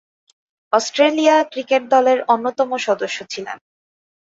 Australia cricket দলের অন্যতম সদস্য ছিলেন।